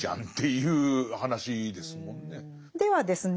ではですね